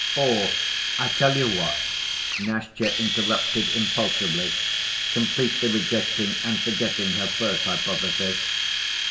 "Or, I tell you what," Nastya interrupted impulsively, completely rejecting and forgetting her first hypothesis.